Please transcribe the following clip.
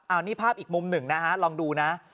อันนี้ภาพอีกมุมหนึ่งนะฮะลองดูนะ